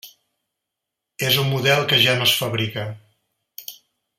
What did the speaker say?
És un model que ja no es fabrica.